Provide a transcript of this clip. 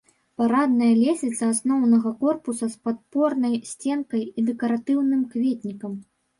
Парадная лесвіца асноўнага корпуса з падпорнай сценкай і дэкаратыўным кветнікам.